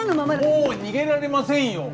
もう逃げられませんよ！